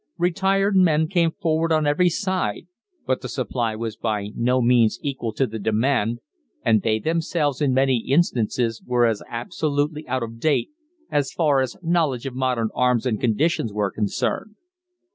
Retired men came forward on every side, but the supply was by no means equal to the demand, and they themselves in many instances were absolutely out of date as far as knowledge of modern arms and conditions were concerned.